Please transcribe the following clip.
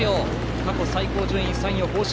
過去最高順位の３位を更新。